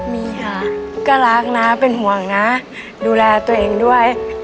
มีค่ะก็รักนะเป็นห่วงนะดูแลตัวเองด้วย